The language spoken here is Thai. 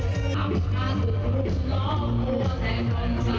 เกี่ยวกับกันน้ำเท้าด้านนี้ค่ะ